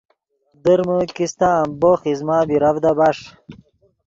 در من کیستہ امبوخ ایزمہ بیرڤدا بݰ